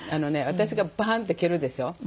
私がバンッて蹴るでしょ。